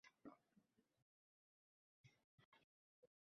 O‘zing-ku, mayli, loaqal Sanjarbekni yubormaysan